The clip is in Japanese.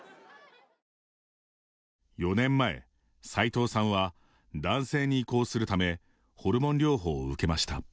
４年前、齊藤さんは男性に移行するためホルモン療法を受けました。